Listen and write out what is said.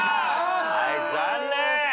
はい残念。